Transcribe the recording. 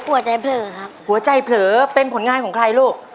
หัวใจเผลอครับหัวใจเผลอเป็นผลงานของใครลูก